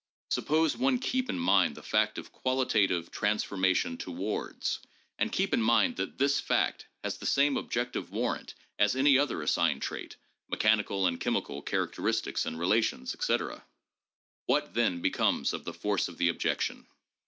Suppose one keep in mind the fact of qualitative transformation towards, and keep in mind that this fact has the same objective warrant as any other assigned trait (mechanical and chemical characteristics and relations, etc.). What, then, becomes of the force of the objection?